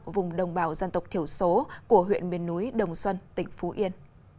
vùng đồng bào dân tộc thiểu số của huyện miền núi đồng xuân tỉnh phú yên